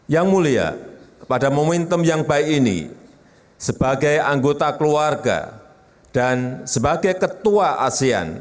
yang mulia pada momentum yang baik ini sebagai anggota keluarga dan sebagai ketua asean